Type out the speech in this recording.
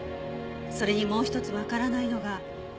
それにもう一つわからないのが。